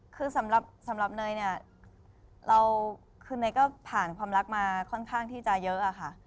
คือสำหรับเนยเนี่ยเราคือเนยก็ผ่านความรักมาค่อนข้างที่จะเยอะอะค่ะ